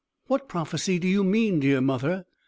"What prophecy do you mean, dear mother?"